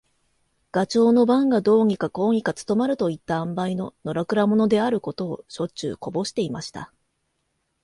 ガチョウの番がどうにかこうにか務まるといった塩梅の、のらくら者であることを、しょっちゅうこぼしていました。